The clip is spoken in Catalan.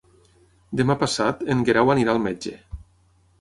Demà passat en Guerau anirà al metge.